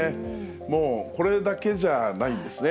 もうこれだけじゃないんですね。